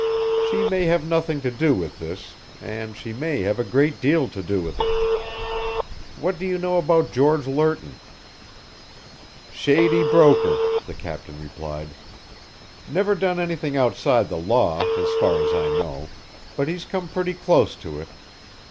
She may have nothing to do with this, and she may have a great deal to do with it. What do you know about George Lerton?" "Shady broker," the captain replied. "Never done anything outside the law, as far as I know, but he's come pretty close to it.